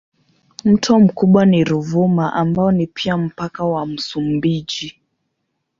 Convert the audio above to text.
Mto mkubwa ni Ruvuma ambao ni pia mpaka wa Msumbiji.